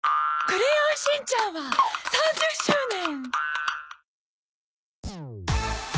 『クレヨンしんちゃん』は３０周年。